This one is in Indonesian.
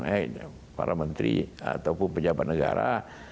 eh para menteri ataupun pejabat negara